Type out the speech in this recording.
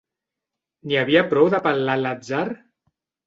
N'hi havia prou d'apel·lar a l'atzar?